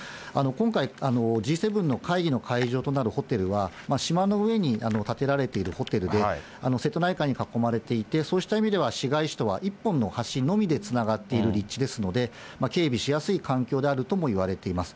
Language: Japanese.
今回、Ｇ７の会議の会場となるホテルは、島の上に建てられているホテルで、瀬戸内海に囲まれていて、そうした意味では、市街地では１本の橋のみでつながっている立地ですので、警備しやすい環境であるともいわれています。